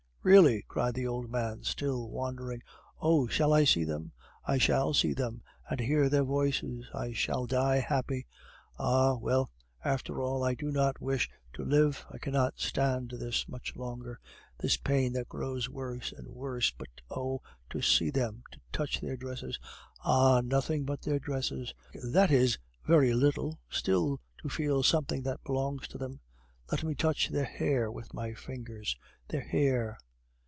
"Really?" cried the old man, still wandering. "Oh! shall I see them; I shall see them and hear their voices. I shall die happy. Ah! well, after all, I do not wish to live; I cannot stand this much longer; this pain that grows worse and worse. But, oh! to see them, to touch their dresses ah! nothing but their dresses, that is very little; still, to feel something that belongs to them. Let me touch their hair with my fingers... their hair..."